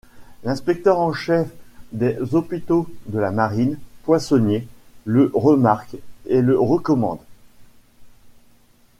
L'inspecteur en chef des hôpitaux de la marine, Poissonnier, le remarque et le recommande.